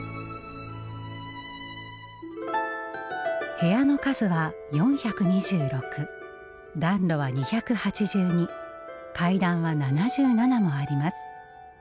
部屋の数は４２６暖炉は２８２階段は７７もあります。